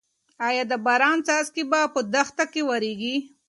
ايا د باران څاڅکي به په دښته کې واوریږي؟